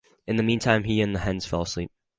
In the meantime, he and the hens fell asleep.